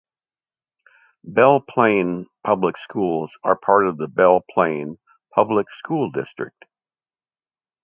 Belle Plaine Public Schools are part of the Belle Plaine Public School District.